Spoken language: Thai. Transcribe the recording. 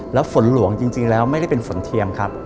แล้วฝนหลวงจริงแล้วไม่ได้เป็นฝนเทียมครับ